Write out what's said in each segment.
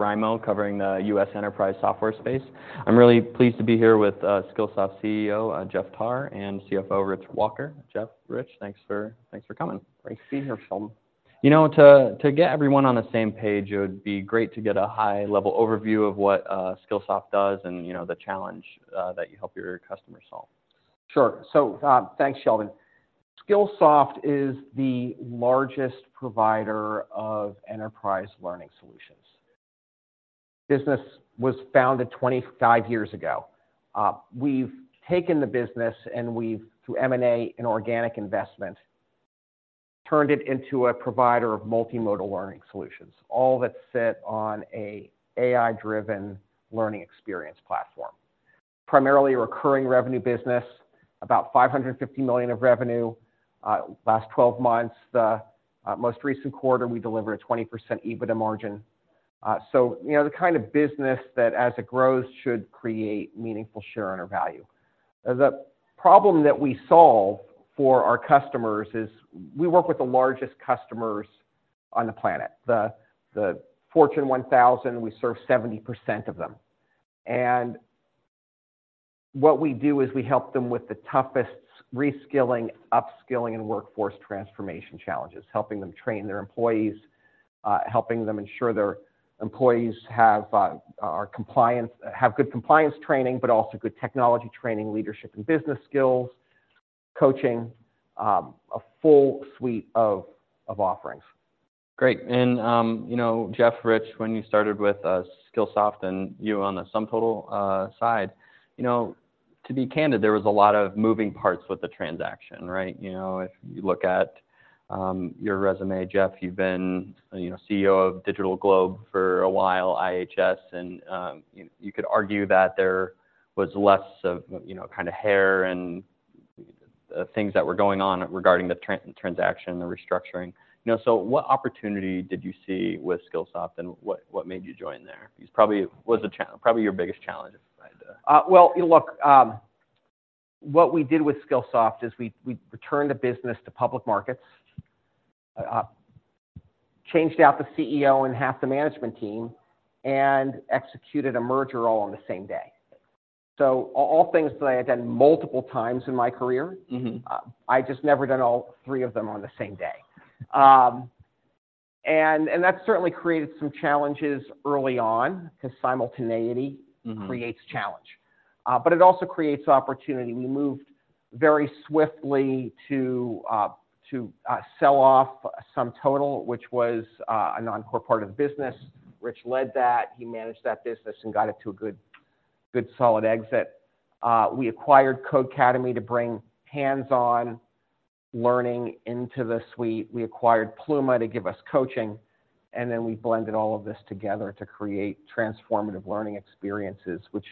Raimo, covering the U.S. enterprise software space. I'm really pleased to be here with Skillsoft's CEO, Jeff Tarr, and CFO, Rich Walker. Jeff, Rich, thanks for, thanks for coming. Great to be here, Sheldon. You know, to get everyone on the same page, it would be great to get a high-level overview of what Skillsoft does and, you know, the challenge that you help your customers solve. Sure. So, thanks, Sheldon. Skillsoft is the largest provider of enterprise learning solutions. Business was founded 25 years ago. We've taken the business and we've, through M&A and organic investment, turned it into a provider of multimodal learning solutions, all that sit on a AI-driven learning experience platform. Primarily a recurring revenue business, about $550 million of revenue, last twelve months. The most recent quarter, we delivered a 20% EBITDA margin. So, you know, the kind of business that, as it grows, should create meaningful shareowner value. The problem that we solve for our customers is we work with the largest customers on the planet. The Fortune 1000, we serve 70% of them. What we do is we help them with the toughest reskilling, upskilling, and workforce transformation challenges, helping them train their employees, helping them ensure their employees have good compliance training, but also good technology training, leadership and business skills, coaching, a full suite of offerings. Great. And, you know, Jeff, Rich, when you started with Skillsoft and you on the SumTotal side, you know, to be candid, there was a lot of moving parts with the transaction, right? You know, if you look at your resume, Jeff, you've been, you know, CEO of DigitalGlobe for a while, IHS, and you could argue that there was less of, you know, kind of hair and things that were going on regarding the transaction, the restructuring. You know, so what opportunity did you see with Skillsoft, and what made you join there? It probably was your biggest challenge at the time. Well, look, what we did with Skillsoft is we, we returned the business to public markets, changed out the CEO and half the management team, and executed a merger all on the same day. So all things that I have done multiple times in my career- Mm-hmm. I just never done all three of them on the same day. And that certainly created some challenges early on, because simultaneity- Mm-hmm. Creates challenge. But it also creates opportunity. We moved very swiftly to sell off SumTotal, which was a non-core part of the business. Rich led that. He managed that business and got it to a good, good solid exit. We acquired Codecademy to bring hands-on learning into the suite. We acquired Pluma to give us coaching, and then we blended all of this together to create transformative learning experiences, which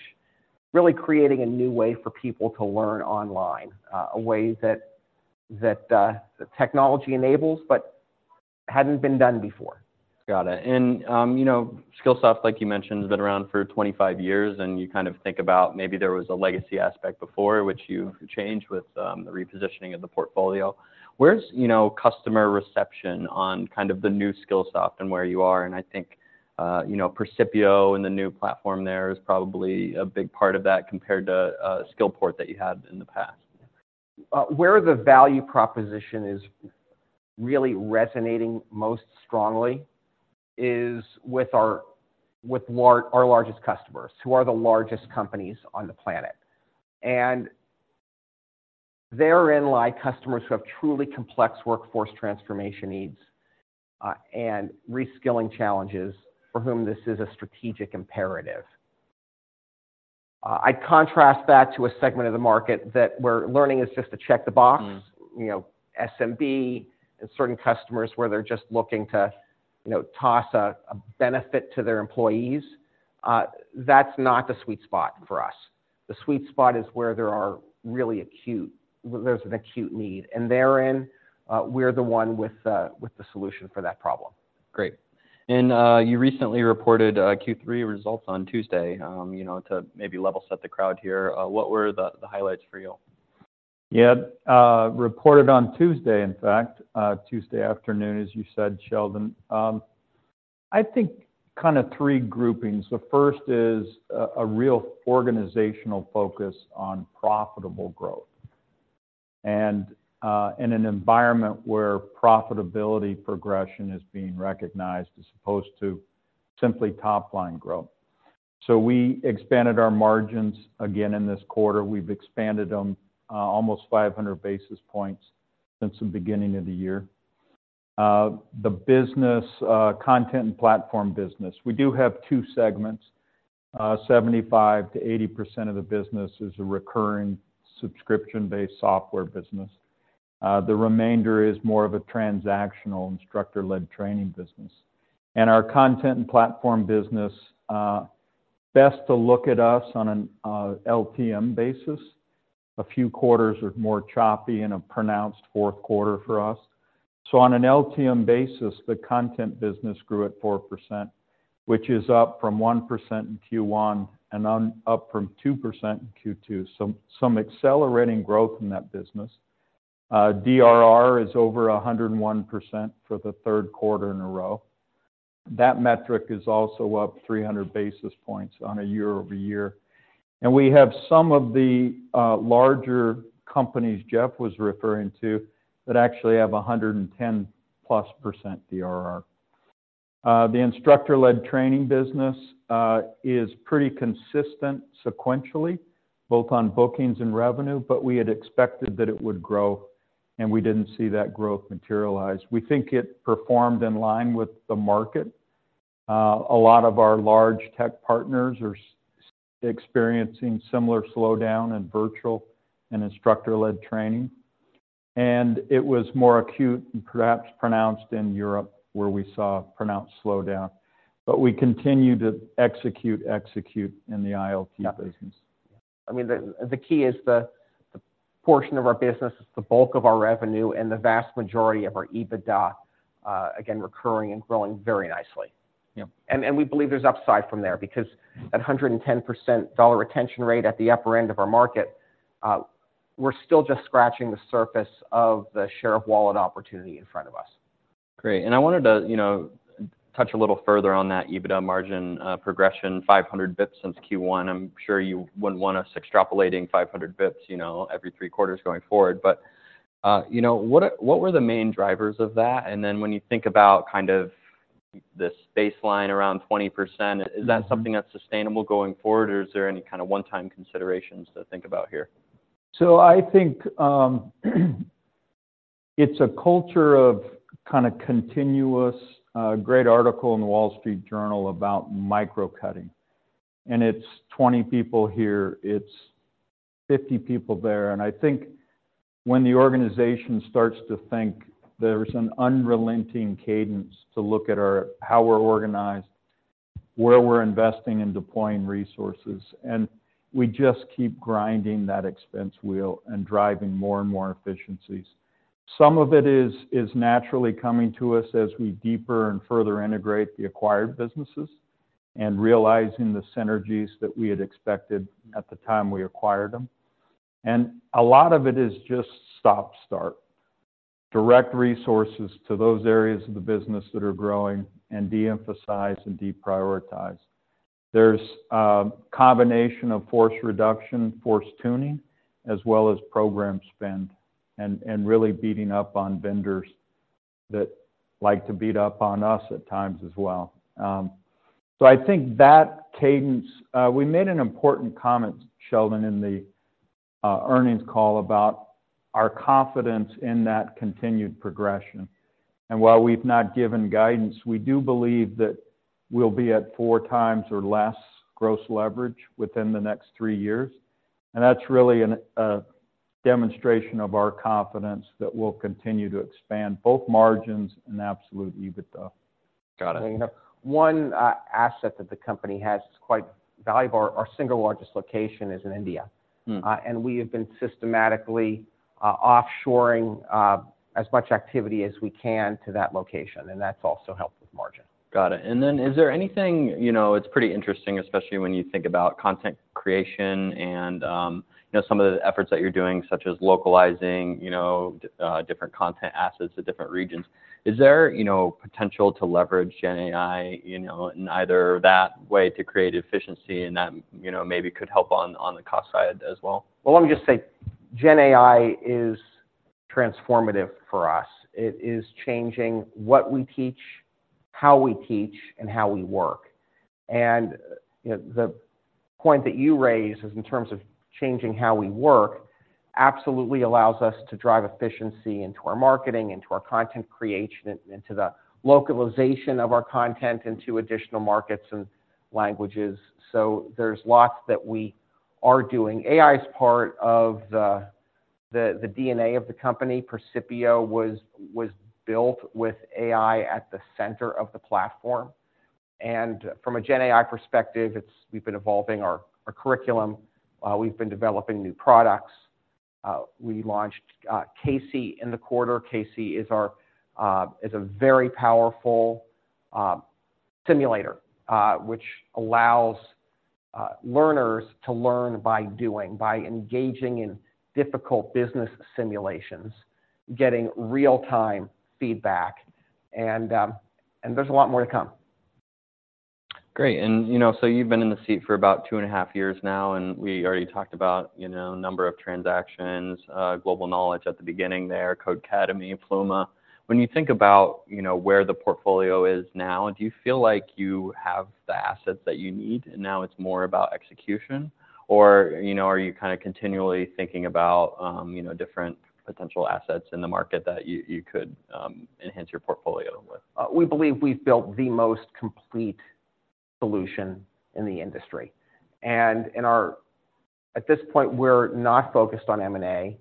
really creating a new way for people to learn online, a way that technology enables but hadn't been done before. Got it. You know, Skillsoft, like you mentioned, has been around for 25 years, and you kind of think about maybe there was a legacy aspect before, which you've changed with the repositioning of the portfolio. Where's, you know, customer reception on kind of the new Skillsoft and where you are? I think, you know, Percipio and the new platform there is probably a big part of that compared to Skillport that you had in the past. where the value proposition is really resonating most strongly is with our largest customers, who are the largest companies on the planet. And therein lie customers who have truly complex workforce transformation needs, and reskilling challenges for whom this is a strategic imperative. I contrast that to a segment of the market where learning is just to check the box- Mm. You know, SMB and certain customers where they're just looking to, you know, toss a benefit to their employees. That's not the sweet spot for us. The sweet spot is where there are really acute... there's an acute need, and therein, we're the one with the solution for that problem. Great. You recently reported Q3 results on Tuesday. You know, to maybe level set the crowd here, what were the highlights for you? Yeah, reported on Tuesday, in fact, Tuesday afternoon, as you said, Sheldon. I think kind of three groupings. The first is a real organizational focus on profitable growth, and in an environment where profitability progression is being recognized as opposed to simply top-line growth. So we expanded our margins again in this quarter. We've expanded them almost 500 basis points since the beginning of the year. The business, content and platform business, we do have two segments. 75%-80% of the business is a recurring subscription-based software business. The remainder is more of a transactional, instructor-led training business. And our content and platform business, best to look at us on an LTM basis. A few quarters are more choppy and a pronounced fourth quarter for us. On an LTM basis, the content business grew at 4%, which is up from 1% in Q1 and up from 2% in Q2. So some accelerating growth in that business... DRR is over 101% for the third quarter in a row. That metric is also up 300 basis points on a year-over-year. And we have some of the larger companies Jeff was referring to, that actually have 110%+ DRR. The instructor-led training business is pretty consistent sequentially, both on bookings and revenue, but we had expected that it would grow, and we didn't see that growth materialize. We think it performed in line with the market. A lot of our large tech partners are experiencing similar slowdown in virtual and instructor-led training, and it was more acute and perhaps pronounced in Europe, where we saw a pronounced slowdown. But we continue to execute in the ILT business. Yeah. I mean, the key is the portion of our business is the bulk of our revenue and the vast majority of our EBITDA, again, recurring and growing very nicely. Yeah. And we believe there's upside from there, because at 110% dollar retention rate at the upper end of our market, we're still just scratching the surface of the share of wallet opportunity in front of us. Great. And I wanted to, you know, touch a little further on that EBITDA margin progression, 500 basis points since Q1. I'm sure you wouldn't want us extrapolating 500 basis points, you know, every three quarters going forward. But, you know, what were the main drivers of that? And then when you think about kind of this baseline around 20%, is that something that's sustainable going forward, or is there any kind of one-time considerations to think about here? So I think, it's a culture of kind of continuous... great article in The Wall Street Journal about micro-cutting, and it's 20 people here, it's 50 people there. And I think when the organization starts to think, there's an unrelenting cadence to look at our, how we're organized, where we're investing and deploying resources, and we just keep grinding that expense wheel and driving more and more efficiencies. Some of it is naturally coming to us as we deeper and further integrate the acquired businesses, and realizing the synergies that we had expected at the time we acquired them. And a lot of it is just stop, start. Direct resources to those areas of the business that are growing and de-emphasize and deprioritize. There's a combination of force reduction, force tuning, as well as program spend, and really beating up on vendors that like to beat up on us at times as well. So I think that cadence, we made an important comment, Sheldon, in the earnings call about our confidence in that continued progression. And while we've not given guidance, we do believe that we'll be at 4 times or less gross leverage within the next 3 years. And that's really a demonstration of our confidence that we'll continue to expand both margins and absolute EBITDA. Got it. One asset that the company has is quite valuable. Our single largest location is in India. Mm. We have been systematically offshoring as much activity as we can to that location, and that's also helped with margin. Got it. And then, is there anything, you know, it's pretty interesting, especially when you think about content creation and, you know, some of the efforts that you're doing, such as localizing, you know, different content assets to different regions. Is there, you know, potential to leverage GenAI, you know, in either that way to create efficiency and that, you know, maybe could help on the cost side as well? Well, let me just say, GenAI is transformative for us. It is changing what we teach, how we teach, and how we work. And, you know, the point that you raised is in terms of changing how we work, absolutely allows us to drive efficiency into our marketing, into our content creation, and into the localization of our content into additional markets and languages. So there's lots that we are doing. AI is part of the DNA of the company. Percipio was built with AI at the center of the platform, and from a GenAI perspective, it's. We've been evolving our curriculum. We've been developing new products. We launched CAISY in the quarter. CAISY is a very powerful simulator which allows learners to learn by doing, by engaging in difficult business simulations, getting real-time feedback, and there's a lot more to come. Great. And, you know, so you've been in the seat for about two and a half years now, and we already talked about, you know, number of transactions, Global Knowledge at the beginning there, Codecademy, Pluma. When you think about, you know, where the portfolio is now, do you feel like you have the assets that you need, and now it's more about execution? Or, you know, are you kind of continually thinking about, you know, different potential assets in the market that you, you could, enhance your portfolio with? We believe we've built the most complete solution in the industry, and at this point, we're not focused on M&A.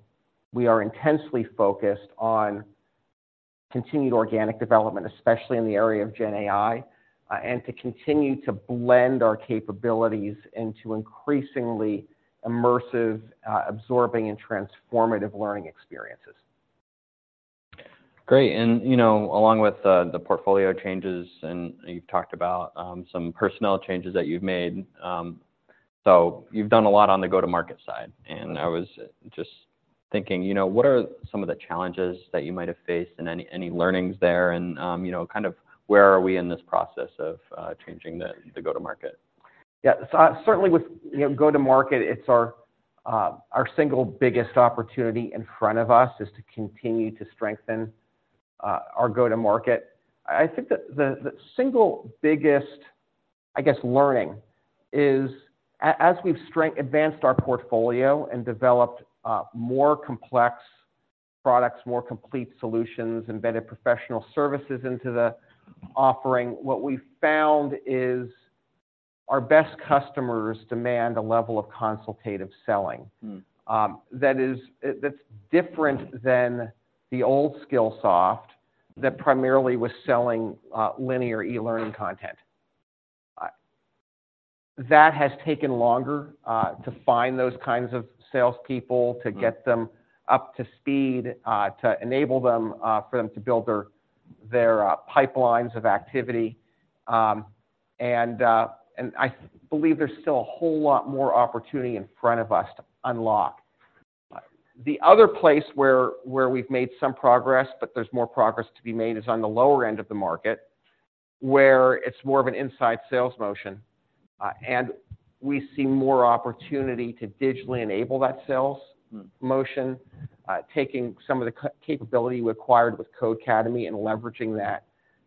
We are intensely focused on continued organic development, especially in the area of GenAI, and to continue to blend our capabilities into increasingly immersive, absorbing, and transformative learning experiences. ... Great! And, you know, along with the portfolio changes, and you've talked about some personnel changes that you've made. So you've done a lot on the go-to-market side, and I was just thinking, you know, what are some of the challenges that you might have faced, and any learnings there? And, you know, kind of where are we in this process of changing the go-to-market? Yeah. So, certainly with, you know, go-to-market, it's our single biggest opportunity in front of us, is to continue to strengthen our go-to-market. I think that the single biggest, I guess, learning is as we've advanced our portfolio and developed more complex products, more complete solutions, embedded professional services into the offering, what we found is our best customers demand a level of consultative selling. Mm. That is, that's different than the old Skillsoft that primarily was selling linear e-learning content. That has taken longer to find those kinds of salespeople- Mm. -to get them up to speed, to enable them, for them to build their pipelines of activity. And I believe there's still a whole lot more opportunity in front of us to unlock. The other place where we've made some progress, but there's more progress to be made, is on the lower end of the market, where it's more of an inside sales motion. And we see more opportunity to digitally enable that sales motion- Mm... taking some of the capability we acquired with Codecademy and leveraging that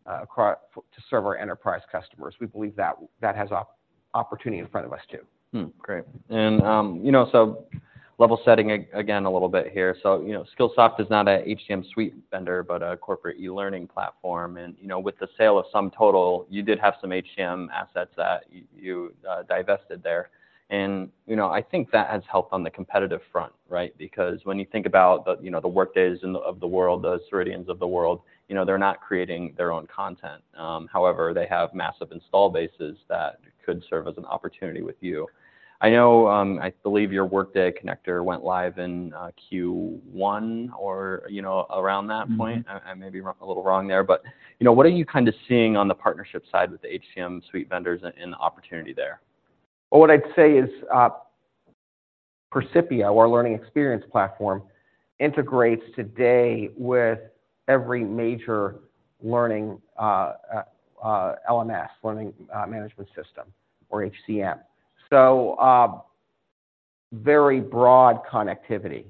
across to serve our enterprise customers. We believe that has opportunity in front of us, too. Great. And, you know, so level setting again, a little bit here. So, you know, Skillsoft is not a HCM suite vendor, but a corporate e-learning platform. And, you know, with the sale of SumTotal, you did have some HCM assets that you divested there. And, you know, I think that has helped on the competitive front, right? Because when you think about the, you know, the Workdays of the world, the Ceridians of the world, you know, they're not creating their own content. However, they have massive install bases that could serve as an opportunity with you. I know, I believe your Workday connector went live in Q1 or, you know, around that point. Mm-hmm. I may be a little wrong there, but, you know, what are you kind of seeing on the partnership side with the HCM suite vendors and, and the opportunity there? Well, what I'd say is, Percipio, our learning experience platform, integrates today with every major learning LMS, learning management system or HCM. So, very broad connectivity.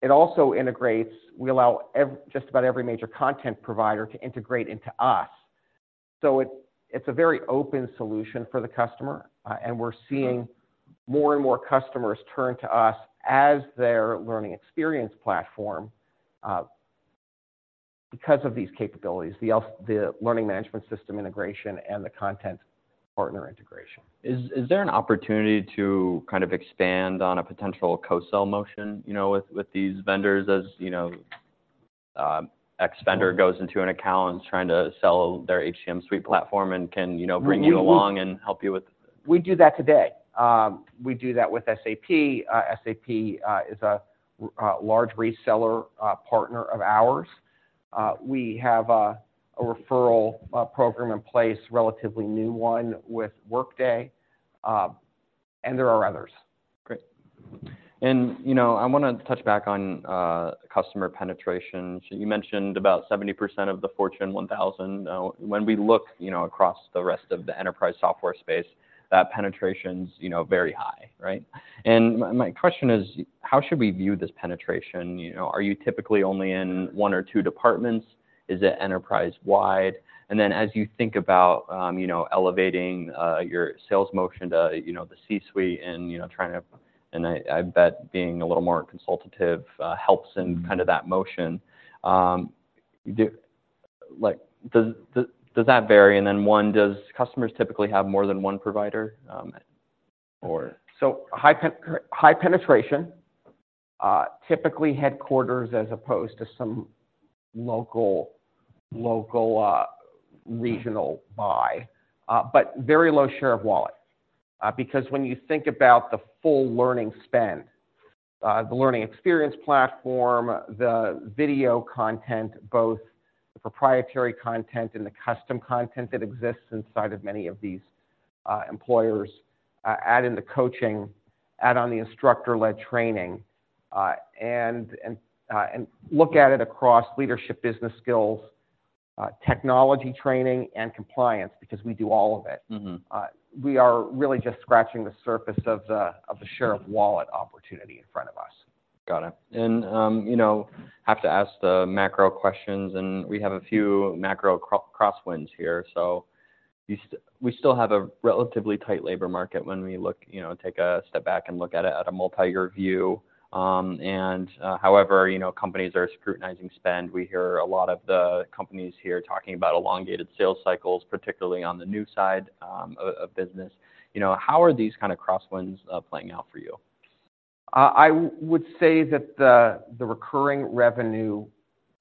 It also integrates. We allow just about every major content provider to integrate into us. So it's a very open solution for the customer, and we're seeing- Mm... more and more customers turn to us as their learning experience platform, because of these capabilities, the learning management system integration and the content partner integration. Is there an opportunity to kind of expand on a potential co-sell motion, you know, with these vendors, as you know, x vendor goes into an account and trying to sell their HCM suite platform and can, you know, bring you along and help you with- We do that today. We do that with SAP. SAP is a large reseller partner of ours. We have a referral program in place, relatively new one, with Workday, and there are others. Great. And, you know, I wanna touch back on, customer penetration. So you mentioned about 70% of the Fortune 1,000. Now, when we look, you know, across the rest of the enterprise software space, that penetration's, you know, very high, right? And my question is, how should we view this penetration? You know, are you typically only in one or two departments? Is it enterprise wide? And then, as you think about, you know, elevating your sales motion to, you know, the C-suite and, you know, trying to... And I, I bet being a little more consultative, helps in- Mm -kind of that motion. Like, does that vary? And then, one, does customers typically have more than one provider, or? So high penetration, typically headquarters as opposed to some local regional buy, but very low share of wallet. Because when you think about the full learning spend, the learning experience platform, the video content, both the proprietary content and the custom content that exists inside of many of these employers, add in the coaching, add on the instructor-led training, and look at it across leadership, business skills, technology training, and compliance, because we do all of it. Mm-hmm. We are really just scratching the surface of the share of wallet opportunity in front of us. Got it. You know, have to ask the macro questions, and we have a few macro crosswinds here. So we still have a relatively tight labor market when we look, you know, take a step back and look at it at a multi-year view. However, you know, companies are scrutinizing spend. We hear a lot of the companies here talking about elongated sales cycles, particularly on the new side of business. You know, how are these kind of crosswinds playing out for you? I would say that the recurring revenue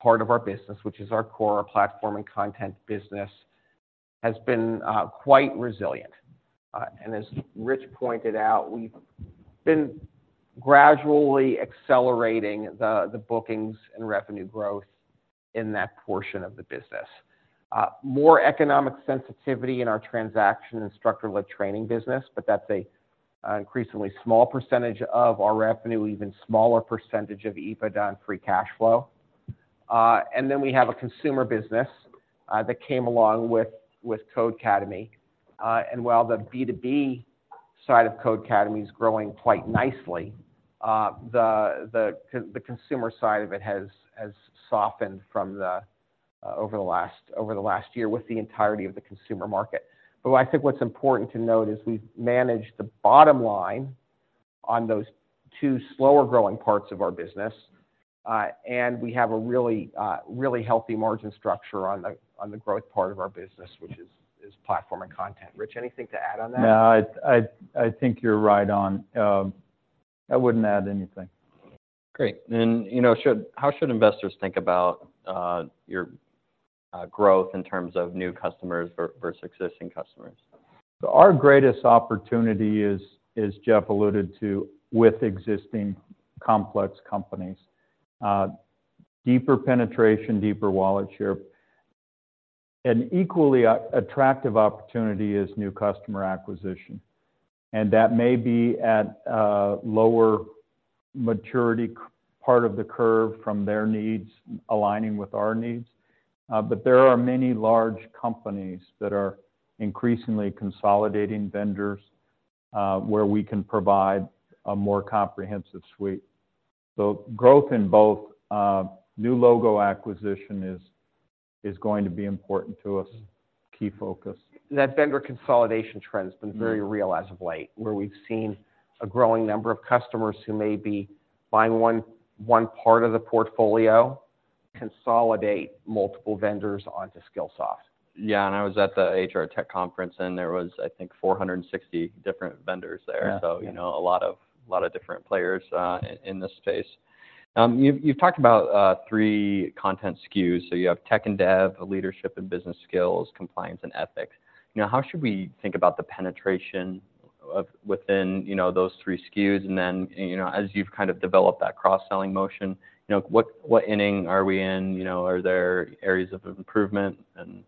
part of our business, which is our core platform and content business, has been quite resilient. And as Rich pointed out, we've been gradually accelerating the bookings and revenue growth in that portion of the business. More economic sensitivity in our transaction and instructor-led training business, but that's an increasingly small percentage of our revenue, even smaller percentage of EBITDA and free cash flow. And then we have a consumer business that came along with Codecademy. And while the B2B side of Codecademy is growing quite nicely, the consumer side of it has softened over the last year with the entirety of the consumer market. I think what's important to note is we've managed the bottom line on those two slower growing parts of our business, and we have a really, really healthy margin structure on the growth part of our business, which is platform and content. Rich, anything to add on that? No, I think you're right on. I wouldn't add anything. Great. Then, you know, how should investors think about your growth in terms of new customers versus existing customers? So our greatest opportunity is, as Jeff alluded to, with existing complex companies. Deeper penetration, deeper wallet share. An equally attractive opportunity is new customer acquisition, and that may be at a lower maturity part of the curve from their needs aligning with our needs. But there are many large companies that are increasingly consolidating vendors, where we can provide a more comprehensive suite. So growth in both, new logo acquisition is going to be important to us, key focus. That vendor consolidation trend has been very real as of late, where we've seen a growing number of customers who may be buying one part of the portfolio, consolidate multiple vendors onto Skillsoft. Yeah, and I was at the HR tech conference, and there was, I think, 460 different vendors there. Yeah. So, you know, a lot of different players in this space. You've talked about three content SKUs. So you have tech and dev, leadership and business skills, compliance and ethics. Now, how should we think about the penetration within, you know, those three SKUs? And then, you know, as you've kind of developed that cross-selling motion, you know, what inning are we in? You know, are there areas of improvement and-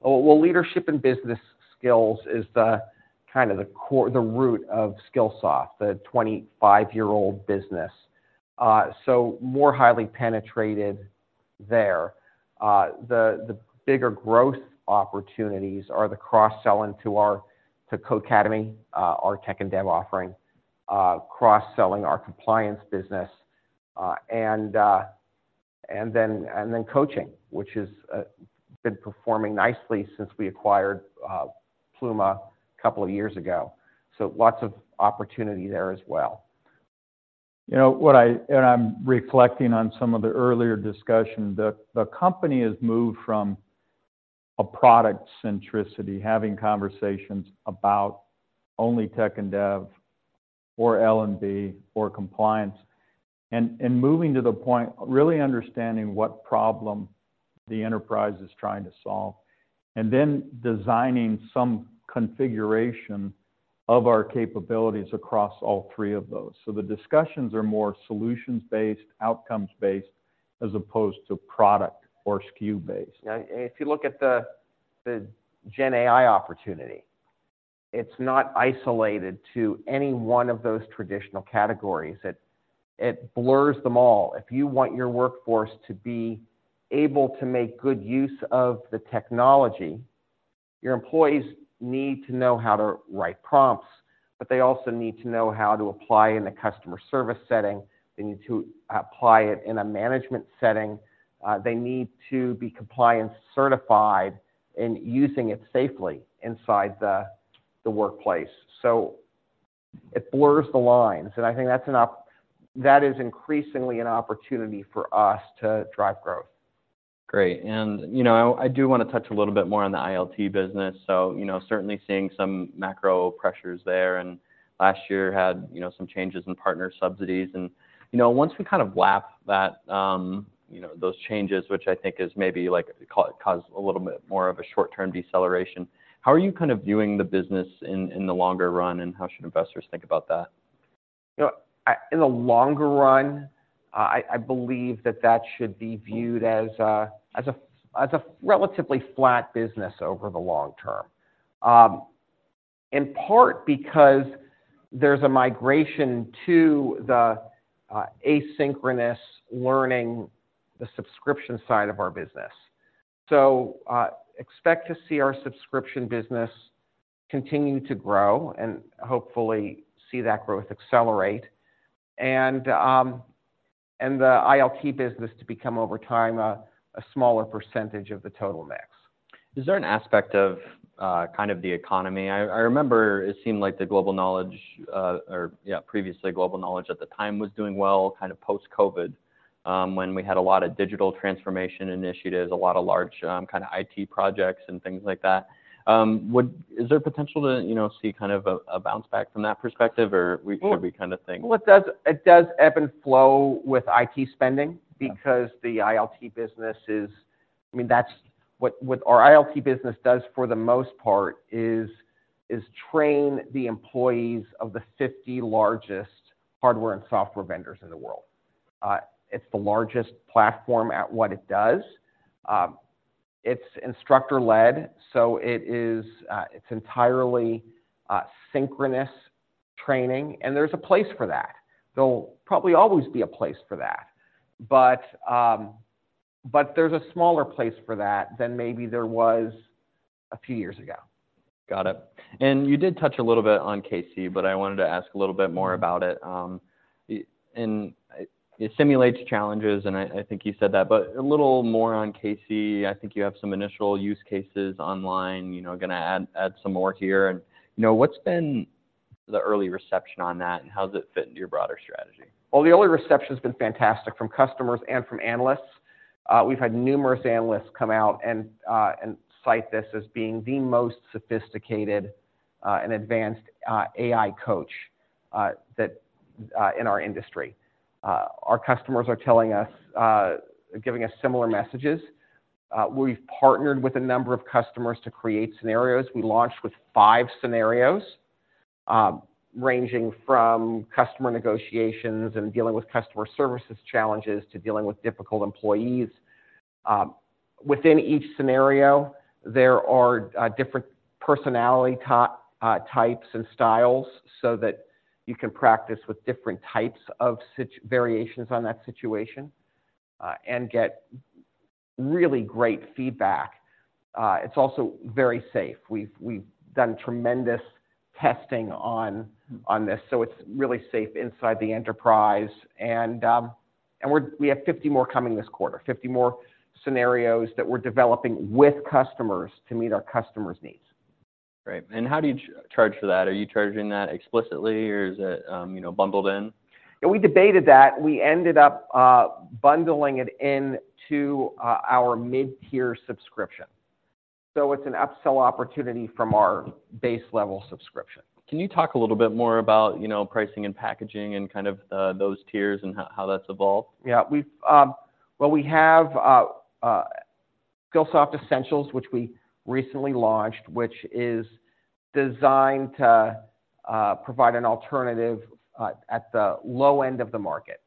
Well, leadership and business skills is the kind of the core... the root of Skillsoft, the 25-year-old business. So more highly penetrated there. The bigger growth opportunities are the cross-selling to our Codecademy, our tech and dev offering, cross-selling our compliance business, and then coaching, which has been performing nicely since we acquired Pluma a couple of years ago. So lots of opportunity there as well. You know, I'm reflecting on some of the earlier discussion. The company has moved from a product centricity, having conversations about only tech and dev or L&D, or compliance, and moving to the point, really understanding what problem the enterprise is trying to solve, and then designing some configuration of our capabilities across all three of those. So the discussions are more solutions-based, outcomes-based, as opposed to product or SKU-based. Yeah, and if you look at the GenAI opportunity, it's not isolated to any one of those traditional categories. It blurs them all. If you want your workforce to be able to make good use of the technology, your employees need to know how to write prompts, but they also need to know how to apply in a customer service setting. They need to apply it in a management setting. They need to be compliance certified in using it safely inside the workplace. So it blurs the lines, and I think that is increasingly an opportunity for us to drive growth. Great. You know, I do want to touch a little bit more on the ILT business. So, you know, certainly seeing some macro pressures there, and last year had, you know, some changes in partner subsidies. You know, once we kind of lap that, those changes, which I think is maybe, like, cause a little bit more of a short-term deceleration, how are you kind of viewing the business in the longer run, and how should investors think about that? You know, in the longer run, I believe that that should be viewed as a, as a, as a relatively flat business over the long term. In part because there's a migration to the asynchronous learning, the subscription side of our business. So, expect to see our subscription business continue to grow and hopefully see that growth accelerate, and, and the ILT business to become, over time, a, a smaller percentage of the total mix. Is there an aspect of kind of the economy? I remember it seemed like the Global Knowledge, previously, Global Knowledge at the time was doing well, kind of post-COVID, when we had a lot of digital transformation initiatives, a lot of large, kind of IT projects and things like that. Is there potential to, you know, see kind of a bounce back from that perspective, or could we kind of think? Well, it does, it does ebb and flow with IT spending- Yeah... because the ILT business is, I mean, that's what our ILT business does for the most part, is train the employees of the 50 largest hardware and software vendors in the world. It's the largest platform at what it does. It's instructor-led, so it is, it's entirely synchronous training, and there's a place for that. There will probably always be a place for that, but, but there's a smaller place for that than maybe there was a few years ago. Got it. And you did touch a little bit on CAISY, but I wanted to ask a little bit more about it. And it simulates challenges, and I think you said that, but a little more on CAISY. I think you have some initial use cases online, you know, gonna add some more here. And, you know, what's been the early reception on that, and how does it fit into your broader strategy? Well, the early reception has been fantastic from customers and from analysts. We've had numerous analysts come out and cite this as being the most sophisticated and advanced AI coach that in our industry. Our customers are telling us, giving us similar messages. We've partnered with a number of customers to create scenarios. We launched with 5 scenarios, ranging from customer negotiations and dealing with customer services challenges to dealing with difficult employees. Within each scenario, there are different personality types and styles so that you can practice with different types of variations on that situation and get really great feedback. It's also very safe. We've done tremendous testing on this, so it's really safe inside the enterprise. And we have 50 more coming this quarter, 50 more scenarios that we're developing with customers to meet our customers' needs. Great. How do you charge for that? Are you charging that explicitly, or is it, you know, bundled in? Yeah, we debated that. We ended up bundling it into our mid-tier subscription. So it's an upsell opportunity from our base-level subscription. Can you talk a little bit more about, you know, pricing and packaging and kind of, those tiers and how that's evolved? Yeah. Well, we have Skillsoft Essentials, which we recently launched, which is designed to provide an alternative at the low end of the market.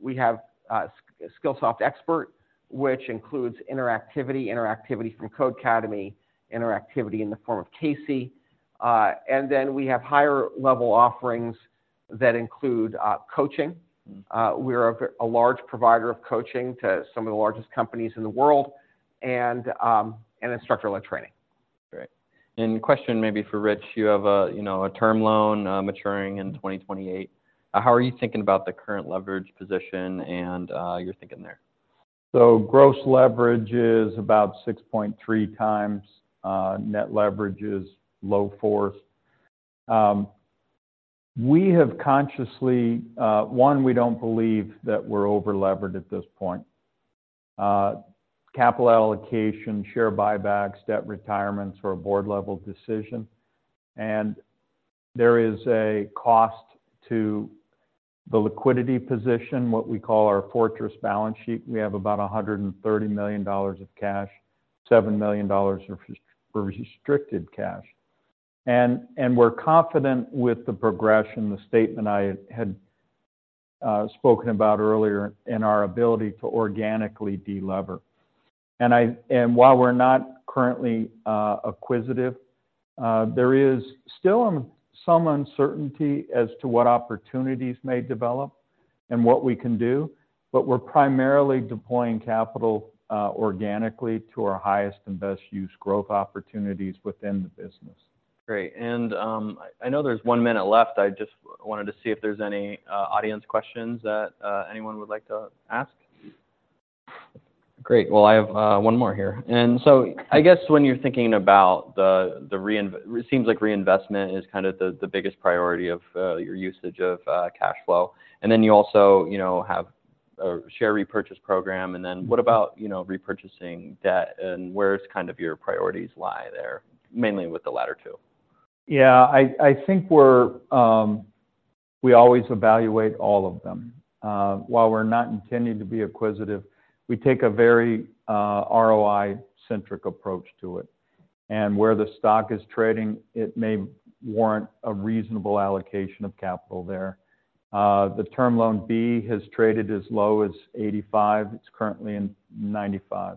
We have Skillsoft Expert, which includes interactivity from Codecademy, interactivity in the form of CAISY. And then we have higher-level offerings that include coaching. Mm-hmm. We're a large provider of coaching to some of the largest companies in the world and instructor-led training. Great. Question maybe for Rich: You have a, you know, a term loan maturing in 2028. How are you thinking about the current leverage position and your thinking there? So gross leverage is about 6.3 times, net leverage is low 4. We have consciously. One, we don't believe that we're over-levered at this point. Capital allocation, share buybacks, debt retirements are a board-level decision, and there is a cost to the liquidity position, what we call our fortress balance sheet. We have about $130 million of cash, $7 million of restricted cash. And we're confident with the progression, the statement I had spoken about earlier in our ability to organically de-lever. And while we're not currently acquisitive, there is still some uncertainty as to what opportunities may develop and what we can do, but we're primarily deploying capital organically to our highest and best use growth opportunities within the business. Great. And, I know there's one minute left. I just wanted to see if there's any audience questions that anyone would like to ask. Great. Well, I have one more here. And so I guess when you're thinking about the reinvestment, it seems like reinvestment is kind of the biggest priority of your usage of cash flow. And then you also, you know, have a share repurchase program, and then what about, you know, repurchasing debt, and where's kind of your priorities lie there, mainly with the latter two? Yeah. I think we're... We always evaluate all of them. While we're not intending to be acquisitive, we take a very ROI-centric approach to it, and where the stock is trading, it may warrant a reasonable allocation of capital there. The Term Loan B has traded as low as 85. It's currently in 95.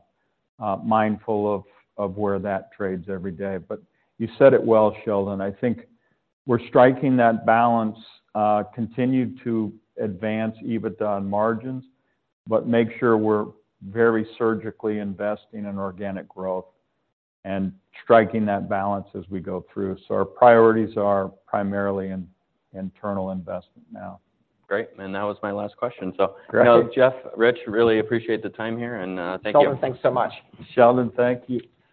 Mindful of where that trades every day. But you said it well, Sheldon. I think we're striking that balance, continue to advance EBITDA and margins, but make sure we're very surgically investing in organic growth and striking that balance as we go through. So our priorities are primarily in internal investment now. Great, and that was my last question. Great. So, you know, Jeff, Rich, really appreciate the time here, and, thank you. Sheldon, thanks so much. Sheldon, thank you.